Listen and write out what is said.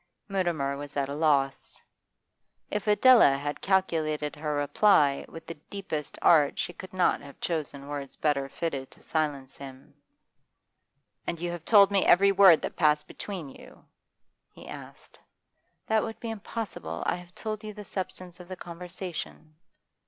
Mutimer was at a loss. If Adela had calculated her reply with the deepest art she could not have chosen words better fitted to silence him. 'And you have told me every word that passed between you?' he asked. 'That would be impossible. I have told you the substance of the conversation.